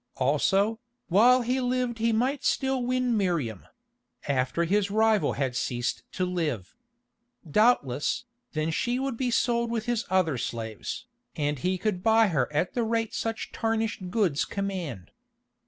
Also, while he lived he might still win Miriam—after his rival had ceased to live. Doubtless, then she would be sold with his other slaves, and he could buy her at the rate such tarnished goods command.